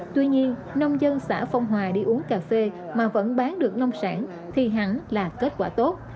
tuy nhiên nông dân xã phong hòa đi uống cà phê mà vẫn bán được nông sản thì hẳn là kết quả tốt